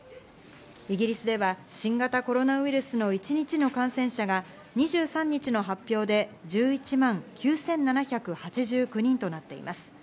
イギリスでは新型コロナウイルスの一日の感染者が２３日の発表で１１万９７８９人となっています。